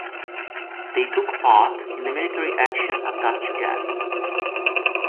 They took part in the military action at Dutch Gap.